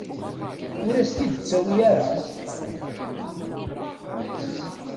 Ur as-tt-id-ttawi ara.